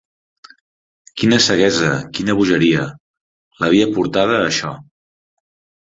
Quina ceguesa, quina bogeria, l'havia portada a això!